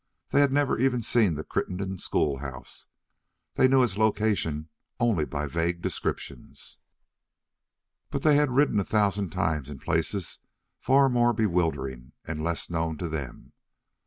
They had never even seen the Crittenden schoolhouse; they knew its location only by vague descriptions. But they had ridden a thousand times in places far more bewildering and less known to them.